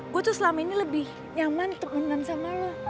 gue tuh selama ini lebih nyaman untuk nendang sama lo